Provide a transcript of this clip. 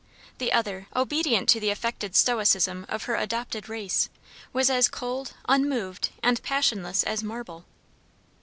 The other, obedient to the affected stoicism of her adopted race, was as cold, unmoved, and passionless as marble.